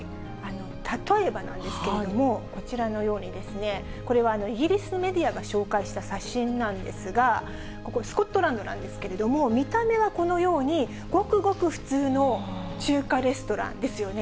例えばなんですけれども、こちらのように、これはイギリスメディアが紹介した写真なんですが、ここ、スコットランドなんですけれども、見た目はこのようにごくごく普通の中華レストランですよね。